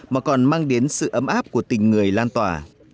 mà còn mang đến sự ấm áp của tình người lan tỏa